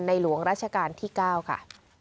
ในหลวงราชการที่เก้าค่ะ